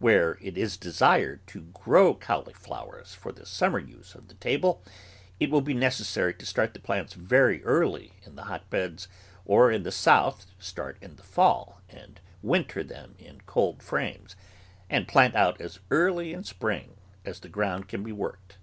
Where it is desired to grow cauliflowers for the summer use on the table, it will be neces sary to start the plants very early in the hotbeds, or in the South start in the fall and winter them in coldframes, and plant out as early in spring as the ground can be worked.